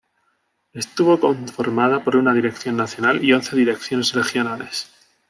Estuvo conformada por una Dirección Nacional y once Direcciones Regionales.